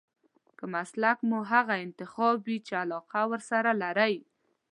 که مسلک مو هغه انتخاب وي چې علاقه ورسره لرئ.